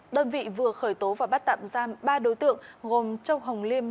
đơn vị vừa khởi tố và bắt tạm giam ba đối tượng gồm châu hồng liêm